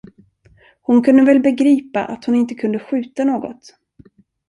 Hon kunde väl begripa, att hon inte kunde skjuta något.